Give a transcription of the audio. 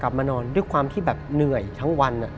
นอนด้วยความที่แบบเหนื่อยทั้งวัน